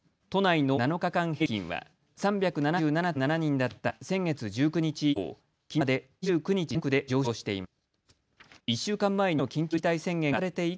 都内の７日間平均は３７７．７人だった先月１９日以降、きのうまで２９日連続で上昇しています。